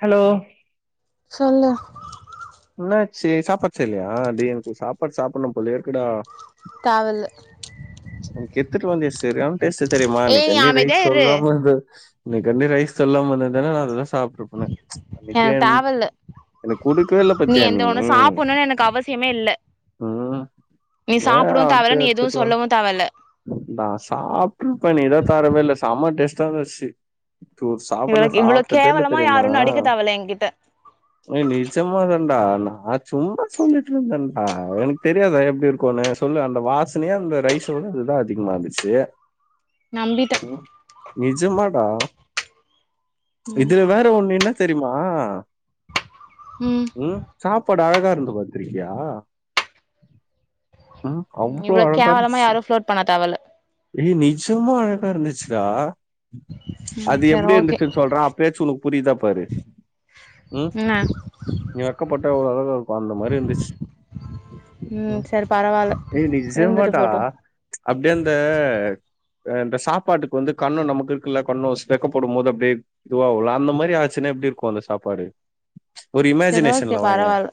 Hello சொல்லு என்னாச்சு சாப்பாடு செய்லையா டே எனக்கு உ சாப்பாடு சாப்படணு போலயே இருக்குடா தேவல்ல அன்னிக்கு எடுத்துட் வந்தியே செரியான டேஸ்ட்டு தெரியுமா ஏய் அன்னிக்கு நீ என்வி ரைஸ் அமைதியா இரு சொல்லாம வந்து அன்னைக் வந்து ரைஸ் சொல்லாம இருந்திருந்தனா நா அததா சாப்ட்ருப்பனே அன்னைக்கே எனக்கு தேவல்ல எனக் குடுக்கவே இல்ல பாத்தியா எந்த நீ ஒண்ணு சாப்புட்ணுன்னு எனக்கு அவசியமே இல்ல ம் நீ ஏன் சாப்படவு தேவயில அப்டியே நீ எதுவு எடுத்துட்டு வந் சொல்லவு தேவயில நா சாப்ட்ருப்ப நீதா தரவே இல்ல செம டேஸ்ட்டா இருந்துச்சு இத்துர் சாப்பாட இவள நா இவ்ளோ சாப்ட்டதே இல்ல கேவலமா தெரிமா யாருன்னு அடிக்க தேவல்ல என்கிட்ட ஏ நிஜமாதாண்டா நா சும்மா சொல்லிட்ருந்தன்டா எனக்கு தெரியாதா எப்டி இருக்குன்னு சொல்லு அந்த வாசனையா அந்த ரைஸ் த்த வுட இதுதா அதிகமா இருந்துச்சு நம்பிட்டே நிஜமாடா ம் இதுல வேற ஒன்னு என்ன தெரிம்மா ம் ம் சாப்பாடு அழகா இருந்து பாத்திருக்கியா? ம் இவ்ளோ கேவலமா யாரு ஃப்ளோட் பண்ண தேவல்ல ஏ நிஜமா அழகா இருந்துச்சுடா ம் அது சரி எப்டி ஓகே இருந்துச்சுன் சொல்றே அப்பயாச்சு உனக்கு புரியிதா பாரு ம் என்ன நீ வெக்கப்பட்டா‌ எவ்ளோ அழகா இருப்ப அந்த மாரி இருந்துச்சு ம் சரி பரவால்ல ஏ இருந்துட்டு நிஜமாடா போட்டு அப்டியேந்த அ இந்த சாப்பாட்டுக் வந்து கண்ணொ நமக் இருக்குல்ல கண்ணொ ஸ் வெக்கப்படும் போது அப்டே இதுவாவுல அந்த மாரி ஆச்சுனா எப்டி இருக்கு அந்த சாப்பாடு ஒரு சரி ஓகே இமேஜினேஷன்ல வாயே பரவால்ல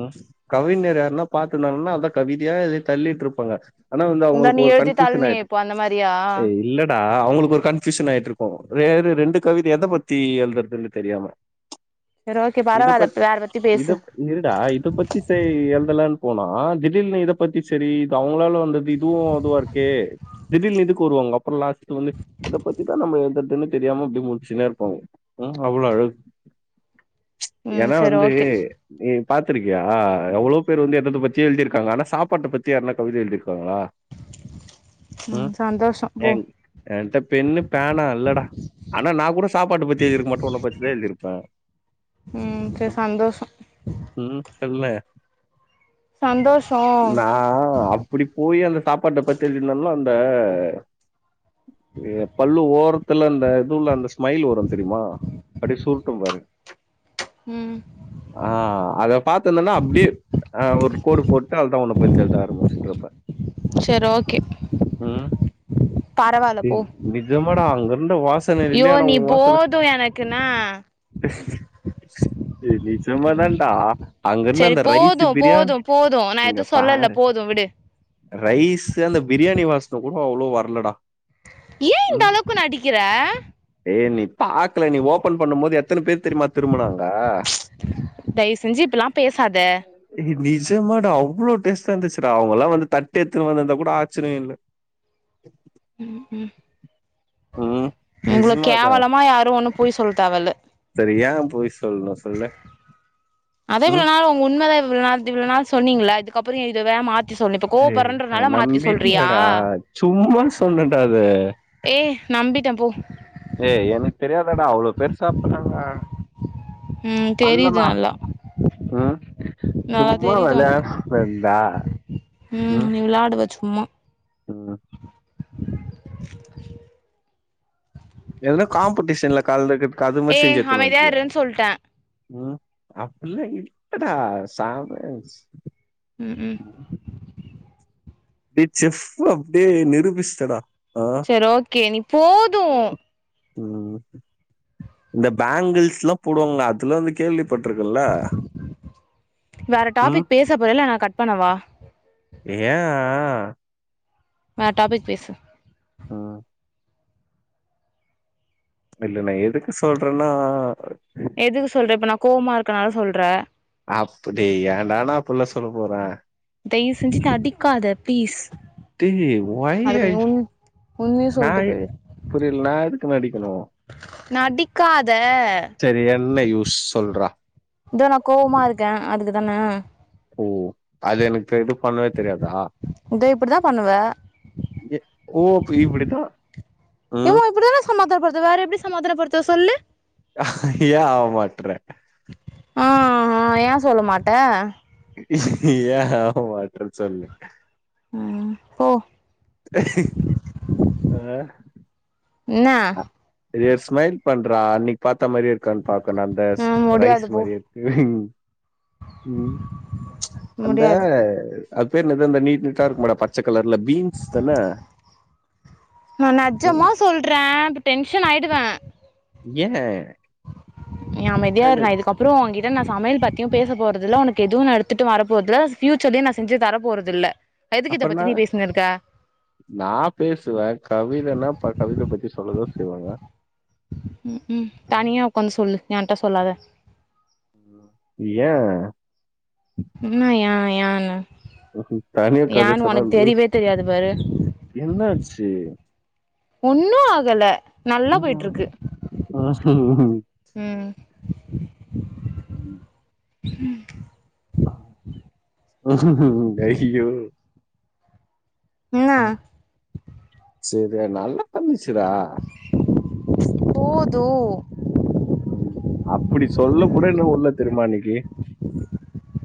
ம் கவிஞர் யார்னா பாத்துர்னாங்கனா அதா கவிதையா எழுதி தள்ளிட்ருப்பாங்க ஆனா வந்து இந்தா அவுங்களுக் நீ ஒரு எழுதி தாள் கன்ஃப்யூசன் நீ ஆயிட்டு இப்போ அந்த மாரியா அ இல்ல டா‌ அவுங்களுக்கு ஒரு கன்ஃப்யூஷன் ஆயிட்ருக்கு வேற ரெண்டு கவித எத பத்தி எழுதுறதுன்னு தெரியாம சரி ஓகே இதுப்ப பரவால்ல வேற பத்தி இது பேசு இருடா இத பத்தி செரி எழுதலான் போனா திடில்னு இத பத்தி செரி இது அவுங்களால வந்தது இதுவு இ துவாருக்கே திடில்னு இதுக்கு வருவாங்க அப்ற லாஸ்ட்ல வந்து எத பத்திதா நம்ம எழுதுறதுன்னு தெரியாம அப்டி முழுச்சுன்னே இருப்பாங்க ம்‌ அவ்ள அழகு ச்சு ம் எனா சரி வந்து ஓகே நீ பாத்துருக்கியா எவ்ளோ பேர் வந்து எதத பத்தியோ எழுதிருக்காங்க ஆனா சாப்பாட்ட பத்தி யார்னா கவித எழுதிருக்காங்களா ம் சந்தோ ஏ ஏன்ட்ட பென்னு பேனா இல்லடா ஆனா நா கூட சாப்பாட பத்தி எழுதிருக்க மாட்ட உன்ன பத்திதா எழுதிருப்பே ம் செர் சந்தோஷொ ம் சொல்லு சந்தோஷோ நா அ ப்புடி போயி அந்த சாப்பாட்ட பத்தி எழுதிந்தாலு அந்த ஏ பல்லு ஓரத்துல அந்த இது உள்ள அந்த ஸ்மைல் வரு தெரிமா அப்டி சுருட்டும் பாரு ம் ஆ அத பாத்துந்தன்னா அப்டே ஆ ஒரு கோடு போட்டு அவள்தா உன்ன பத்தி எழுத ஆரம்பிச்சிட்ருப்ப செர் ஓகே ம் பரவால்ல ஏ போ நிஜமாடா அங்கர்ந்த வா யோ நீ போது எனக்குனா ஏ நிஜம்மதான்டா அங்கர்ந்த செரி அந்த ரைஸு போது பிரியாண் போது போது நா இங்க எதுவு சொல்லல பாரு போது விடு ரைஸு அந்த பிரியாணி வாசன கூட அவ்ளோ வர்லடா ஏ இந்தளவ்க்கு நடிக்கிற ஏ நீ பாக்கல நீ ஓபன் பண்ணும் போது எத்தன பேர் தெரிமா திருபுனாங்க தைவுசெஞ்சி இப்பல்லா பேசாத ஏ நிஜமாடா அவ்ளோ பேர் சேந்துச்சுடா அவங்கல்லாம் வந்து தட் த்து எத்துனு வந்துந்தா கூட ஆச்சரியோ இல்ல ம் உம் ம் இவ்ளோ நிஜமாதா கேவலமா யாரு ஒண்ணு போய் சொல்ல தேவல்ல சரி எ போய் சொல்ணு சொல்லு அதை இவ்ளோ ம் நாள் உங்க உண்மைலா இவள்னா திவ்ளோனாள் சொன்னீங்ளா இதுக்கபறோ இத வே மாத் ஏ அத நம்பிடியா டா சும்மா சொன்னடா அத ஏ நம்பிட்ட போ ஏ எனக் தெரியாதடா அவ்ளோ பேர் சாப்பறாங்க ம் தெரிது பண்லமா நல்லா ம் நல்லா சும்மா தெரியுது உனக்கு விளையாடரன்ட ம் நீ விளாடுவ சும்மா ம் [unintelligible] ஏதனா காம்படிஷன்ல கலந்துக்கர்துக்கு அது மாரி செஞ்சி ஏய் எத்துனு அமைதியா வன்டியா இருன்னு சொல்ட்டே ம் அப்பில்லா இல்லடா சாம ம் ம் நீ செப்பு அப்டியே நிரூபிச்சடா செரி ஓகே நீ போது ம் இந்த பேங்கிள்ஸ் லா போடுவாங்கள அதுலா வந்து கேள்வி பட்டுருங்கல்ல வேற டாபிக் பேச போறயா இல்ல நா கட் பண்ணவா யா ஆ வேற டாபிக் பேசு ம் இல்ல நா எதுக்கு சொல்றன்னா எதுக்கு சொல்றே இப்ப நா கோவமா இருக்கனால சொல்ற அப்புடி ஏன்டா நா அப்பல்லா சொல்ல போற தைய்வு செஞ்சு நடிக்காத பீஸ் டி ஒய் ஐ உண்மைய நா சொல்ட்டு போயிடு புரியல நா எதுக்கு நடிக்கணு நடிக்காத சரி என்ன யூஸ் சொல்றா இதோ நா கோவமா இருக்க அதுக்குதான ஓ அது எனக்கு இது பண்ணவே தெரியாதா இதோ இப்டிதா பண்ணுவ ஏ ஓ அப்ப இப்புடிதா ஓ அப்பிடிதானே சமாதானப்படுத்துவ வேற எப்டி சமாதானப்படுத்துவ சொல்லு ஏ ஆவ மாட்ற ஆ ஆ ஏ சொல்ல மாட்ட ஏ ஆ மாட்டறன் சொல்லு ம் போ அ என்ன ஒரேரு ஸ்மைல் பண்றா அன்னைக்கு பாத்த மாரி இருக்கான்னு பாக்கணு அந்த ம் ரைஸ் முடியாது போ மாரியே ம் அந்த முடியாது அத் பேர் என்னது அந்த நீட் ட்டா இருக்குமடா பச்ச கலர்ல பீன்ஸ் தான உ சொல்றே டென்ஷன் ஆயிடுவ ஏ நீ அமைதியா இரு நா இதுகப் றோ உங்கிட்ட நா சமையல் பத்தியு பேச போறதுல்ல ஒனக்கு எதுவு நா எடுத்துட்டு வரபோறதுல்ல ஃப்யூச்சர்லயு நா செஞ்சு தர போறதில்ல எதுக்கு இத பத்தி நீ பேசினு இருக்க நா பேசுவே கவிதன்னா அப்ப கவித பத்தி சொல்லதா செய்வாங்க ம் தனியா உக்காந்து சொல்லு என்ட்ட சொல்லாத ஏ என்ன ஏ ஏ தனியா கதை ஏன்னு சொன்னா ஒனக்கு லூஸ். தெரியவே தெரியாது பாரு என்னாச்சு ஒன்னு ஆகல நல்லா போய்ட்டு இருக்கு ம். ம் ம் ஐயோ என்ன அ செரி நல்லா பண்ணிச்சிடா போது அப்டி சொல்ல கூட இன்னு உடல தெரிமா இன்னைக்கி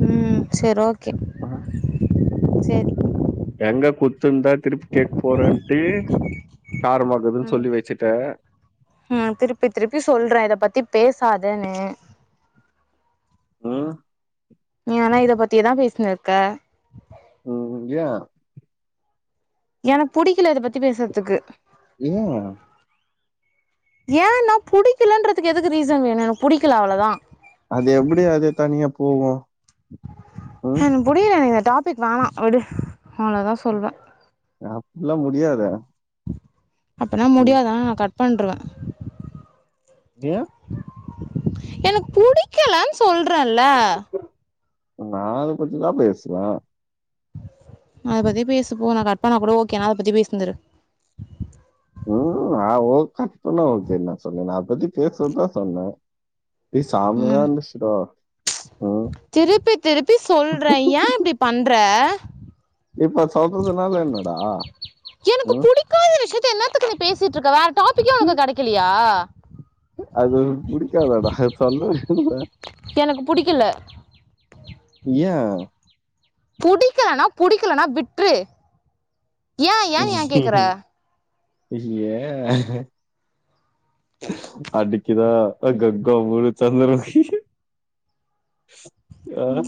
ம் சேர் ஓகே ம். சேரி எங்க குத்து இருந்தா திருப்பி கேக்க போறேட்டு காரமாக்குதுன்னு ம் சொல்லி வச்சுட்ட ம் திருப்பி திருப்பி சொல்றே இத பத்தி பேசாதன்னு ம் நீ ஆனா இத பத்தியேதா பேசினிருக்க ம் ஏ எனக்கு புடிக்கில இத பத்தி பேசுறதுக்கு ஏ ஏ ஏனா புடிக்கலன்றதுக்கு எதுக்கு ரீசன் வேணு எனக்கு புடிக்கல அவ்ளோதா அது எப்டி அதே தனியா போவு எனக்கு புடிக்கல எனக்கு இந்த டாபிக் வேணா விடு அவ்ளோதா சொல்வே அப்டி எல்லா முடியாதே அப்பனா முடியாதுனா நா கட் பண்ருவ ஏ எனக்கு புடிக்கலனு சொல்றல்ல நா அத பத்தி தா பேசுவ அத பத்தி பேசுபோ நா கட்பண்ணா கூட ஓகேனா அத பத்தி பேசினிருந்துரு ம் ஆ ஓ கட் பண்ணா ஓகேனா சொன்னேனா நா அத பத்தி பேசுவ தா சொன்ன ஏ சாமயா ம் இருந்துச்சுடா ம். திருப்பி திருப்பி சொல்ற ஏ இப்டி பண்ற இப்ப சொல்றதுனால என்னடா ம் க்காத விஷியத்த என்னாத்துக்கு பேசிட்டு இருக்க வேற டாபிக்கே ஒனக்கு கெடைக்கலையா அது ஒனக்கு பிடிக்காதாடா சொல்லவே இல்ல எனக்கு புடிக்கல ஏ புடிக்கலன்னா புடிக்கலன்னா விற்று ஏ அடுக்கிதா கங்கா முழு சந்திரமுகி ஆ. ம்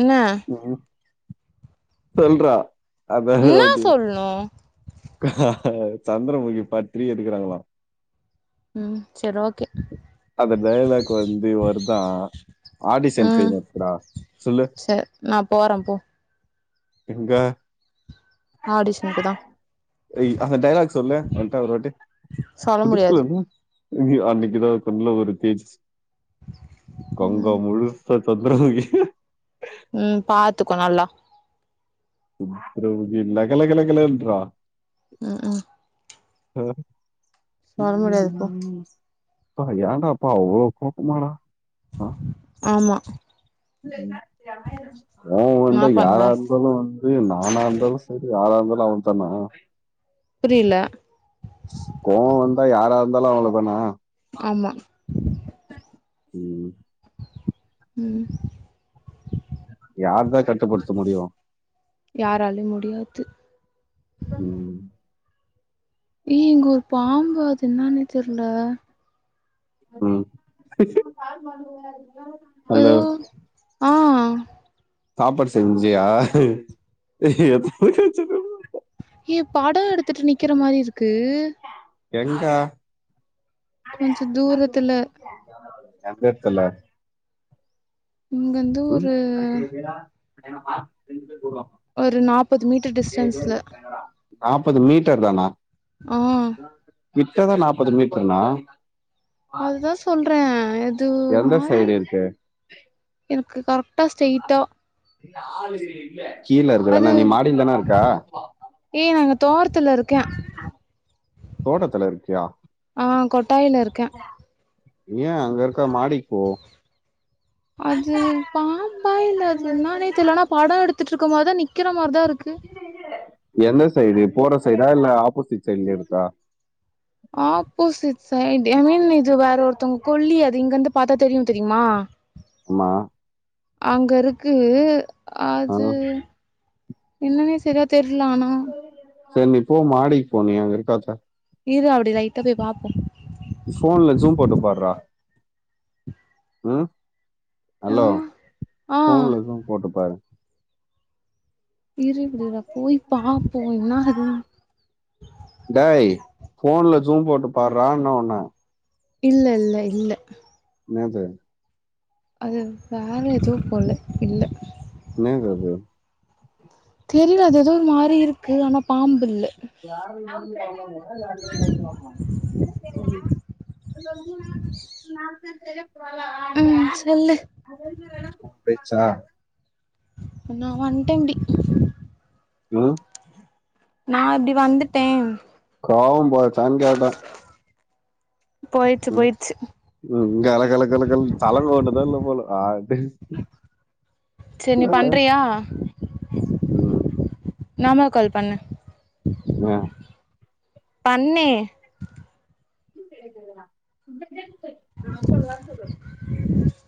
என்ன ம் சொல்றா என்னா சொல்ணு ஆ சந்திரமுகி பார்ட் த்ரீ எடுக்கறாங்களா ம் சேரி ஓகே அந்த டயலாக் வந்து வருதா ஆடிசன் பெய்ன் இருக்குதா சொல்லு நா போறன் போ எங்க ஆடிஷனுக்குதா அந்த டையலாக் சொல்லு என்ட்ட ஒரு வாட்டி சொல்ல முடியாது புடிக்கலனு இங்யு அன்னைக்குதா கண்ணுல ஒரு தேஜஸ் கங்கா ம் முழு சா சந்திரமுகி ம் பாத்துக்கோ நல்லா சந்திரமுகி லக லகலகன்றான் ம் ம் ஆ சொல்ல முடியாது போ அப்பா ஏண்டாப்பா அவ்ளோ கோவமா டா ஆமா ம் கோபோ என்ன வந்தா பண்ணுவ யாரா இருந்தாலு டே நானாந்தாலு செரி யாராயிருந்தால அவன்தான புரில கோவோ வந்தா யாரா இருந்தாலு அவ்ளதானா ஆமா ம் ம் யார்தா கட்டுபடுத்த முடியு யாராலயு முடியாது ம் ஏய் இங்க ஒரு பாம்பு அது என்னானே தெரில ம் நல்ல எதோ ஆ சாப்பாடு செஞ்சியா ஆ ஆ ஏய் படோ எடுத்துட்டு நிக்கிற மாரி இருக்கு எங்க கொஞ்சோ தூரத்துல எந்த எடத்தில இங்க அந்து ம் ஒரு நாப்பது மீட்டர் டிஸ்டன்ஸ்ல்ல நாப்பது மீட்டர் தானா ஆ கிட்டதா நாப்பது மீட்டர்னா அதுதா சொல்ற அது ஒரு எந்த மாரி சைடு இருக்கு எனக்கு கரெக்டா ஸ்ட்ரெய்ட்டா கீழ இருக்கறண்ண நீ மாடிலதான இருக்க ஏய் நாங்க தோரத்துல இரு தோட்டத்துல இருக்கியா ஆ கொட்டாயில இருக்கே நீ ஏன் அங்கயிருக்க மாடிக்கு போ அது பாம்பா இல்ல அது இன்னானே தெர்ல ஆனா படோ எடுத்துட்டு இருக்கு போது நிக்கற மாரிதா இருக்கு எந்த சைடு போற சைடா இல்ல ஆப்போசிட் சைடுல இருந்தா ஆப்போசிட் சைடு ஐ மீன் இது வேற ஒருத்தவங்க கொல்லி அது இங்கந்து பாத்தா தெரியு தெரியுமா [inaudible] ம்மா அங்க இருக்கு ஆ அது என்னன்னே சரியா தெரியல ஆனா சேரி நீ போ மாடிக்கு போ நீ அங்க இருக்காத இரு அப்டி லைட்டா போய் பாப்போ ஃபோன்ல ஜூம் போட்டு பார்ரா ம் ஆ ஹலோ ஆ ஃபோன்ல ஜூம் போட்டுப்பாரு இரு இப்படிரா போய் பாப்போ இன்னா ஆகுது டாய் ஃபோன்ல ஜூம் போட்டு பாறான்ன ஒன்ன இல்ல இல்ல இல்ல இன்னாது அது வேற எதோ போல இல்ல இன்னது அது தெரியல அது எதோ ஒரு மாரி இருக்கு ஆனா பாம்பு இல்ல அவுங் ஃப்ரெண்டு [unintelligible] தெர்ல [unintelligible] ம் சொல்லு பேயிச்சா இன்னா ஒன் டைம்டி ம் நா இப்பிடி வந்துட்டே கோவு போச்சான் கேட்டே போயிர்ச்சி போயிர்ச்சி ம் கல கல கலன் சலங்க ஒன்னுதா இல்ல போல அது சே நீ பண்றியா ம் நாமல் கால் பண்ணு மே பண்ணே [unintelligible]